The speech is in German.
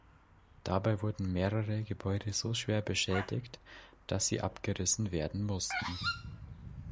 Dabei wurden mehrere Gebäude so schwer beschädigt, dass sie abgerissen werden mussten.